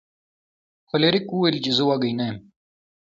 فلیریک وویل چې زه وږی نه یم.